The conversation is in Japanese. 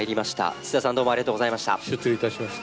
土田さんどうもありがとうございました。